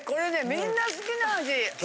みんな好きな味。